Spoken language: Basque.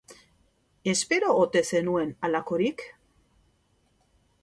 Espero ote zenuen halakorik?